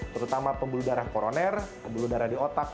terutama pembuluh darah koroner pembuluh darah di otak